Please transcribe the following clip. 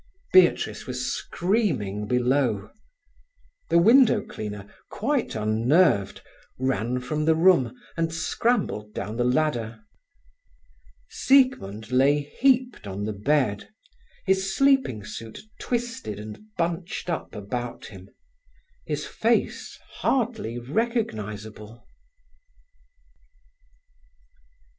Beatrice was screaming below. The window cleaner, quite unnerved, ran from the room and scrambled down the ladder. Siegmund lay heaped on the bed, his sleeping suit twisted and bunched up about him, his face hardly recognizable.